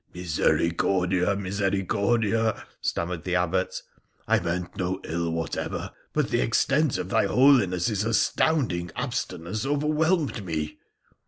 ' Misericordia ! misericordia !' stammered the Abbot. ' I meant no ill whatever, but the extent of thy Holiness's astounding abstinence overwhelmed me.'